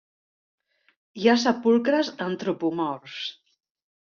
Hi ha sepulcres antropomorfs.